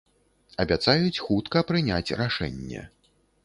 Абяцаюць хутка прыняць рашэнне.